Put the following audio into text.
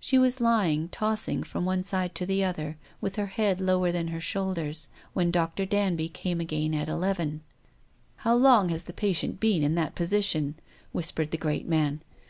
She was lying like that, with her head lower than her shoulders, when Dr. Danby came again at eleven. "How long has the patient been in that position ?" whispered the great man.